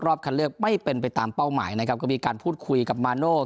คันเลือกไม่เป็นไปตามเป้าหมายนะครับก็มีการพูดคุยกับมาโน่